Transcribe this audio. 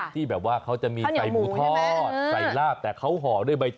ที่แบบว่าเขาจะสายหมูทอดสายลาบแต่เขาหอด้วยใบต่อ